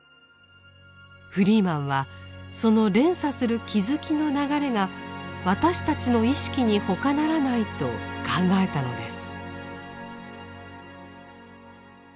フリーマンはその連鎖する「気づき」の流れが私たちの意識に他ならないと考えたのです。